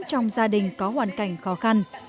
trong gia đình có hoàn cảnh khó khăn